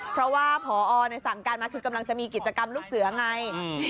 เพราะว่าพอสั่งการมาคือกำลังจะมีกิจกรรมลูกเสือไง